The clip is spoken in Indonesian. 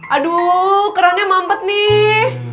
aduh kerannya mampet nih